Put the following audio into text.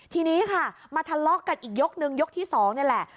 ทีนี้ค่ะมาทะเลาะกันอีกยกนึงยกที่๒นี่แหละ